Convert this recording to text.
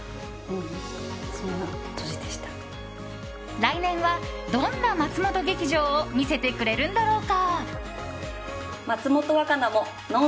来年は、どんな松本劇場を見せてくれるんだろうか？